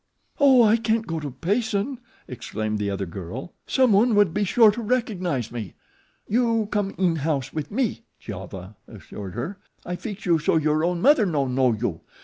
"Oh, I can't go to Payson," exclaimed the other girl. "Someone would be sure to recognize me." "You come in house with me," Giova assured her, "I feex you so your own mother no know you.